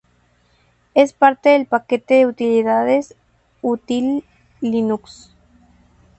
Es parte del paquete de utilidades util-linux.